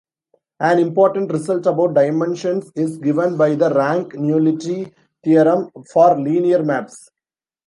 An important result about dimensions is given by the rank-nullity theorem for linear maps.